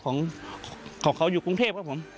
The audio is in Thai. ของเขาอยู่กรุงเทพครับผม